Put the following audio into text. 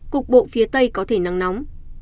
cục bộ phía tây có thể nắng nóng